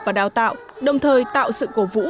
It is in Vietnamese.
và đào tạo đồng thời tạo sự cổ vũ